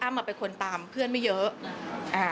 อ้ำอะเป็นคนตามเพื่อนไม่เยอะ